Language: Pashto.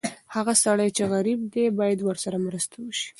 هغه سړی چې غریب دی، باید ورسره مرسته وشي.